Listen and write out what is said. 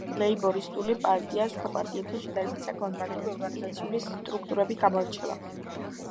ლეიბორისტული პარტია სხვა პარტიებთან შედარებით საკმაოდ მარტივი ორგანიზაციული სტრუქტურით გამოირჩევა.